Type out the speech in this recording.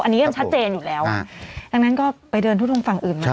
อันนี้ยังชัดเจนอยู่แล้วอ่ะดังนั้นก็ไปเดินทุดงฝั่งอื่นมา